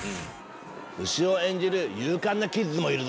牛を演じる勇敢なキッズもいるぞ。